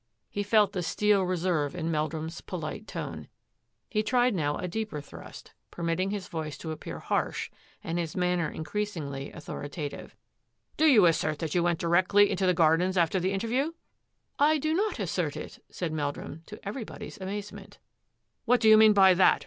He felt the steel reserve in Meldrum's polite tone. He tried now a deeper thrust, permitting his voice to appear harsh and his manner increasingly authoritative. " Do you assert that you went directly into the gardens after the interview?" " I do not assert it," said Meldrum, to every body's amazement. " What do you mean by that?